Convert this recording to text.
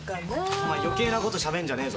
お前余計なことしゃべるんじゃねえぞ。